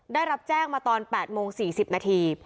ได้รับแจ้งมาตอน๘โมง๔๐นาที